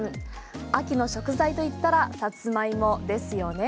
秋の食材と言ったらさつまいもですよね。